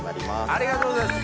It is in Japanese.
ありがとうございます。